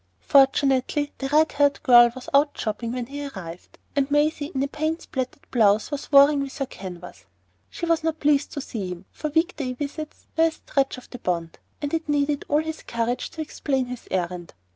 Fortunately, the red haired girl was out shopping when he arrived, and Maisie in a paint spattered blouse was warring with her canvas. She was not pleased to see him; for week day visits were a stretch of the bond; and it needed all his courage to explain his errand.